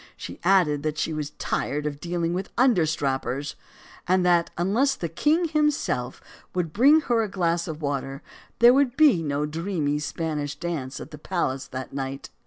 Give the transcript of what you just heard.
She added that she was tired of dealing with understrappers, and that, unless the king himself would bring her a glass of \vater, there would be no dreamy Spanish dance at the palace that night.